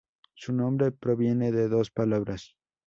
Su nombre proviene de dos palabras.